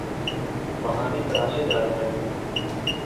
بہانے تراشے جانے لگے۔